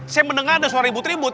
saya mendengar ada suara ribut ribut